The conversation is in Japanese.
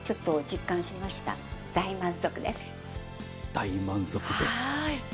大満足ですと。